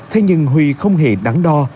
thế nhưng huy không hề đáng đo